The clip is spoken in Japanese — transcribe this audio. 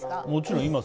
もちろん。